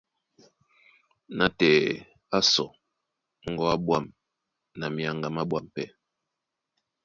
Nátɛɛ á sɔ̌ ŋgɔ̌ á ɓwâm na myaŋga má ɓwâm pɛ́.